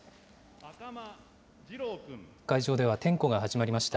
会場では点呼が始まりました。